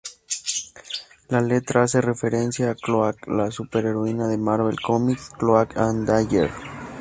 La letra hace referencia a Cloak, la súper-heroína de marvel cómics "Cloak and Dagger".